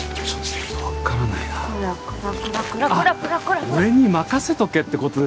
「俺に任せとけ」って事ですかね？